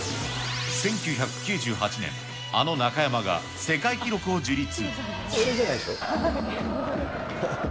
１９９８年、あの中山が世界記録を樹立。